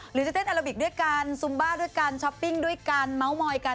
หรือจะเต้นอาราบิกด้วยกันซุมบ้าด้วยกันช้อปปิ้งด้วยกันเมาส์มอยกัน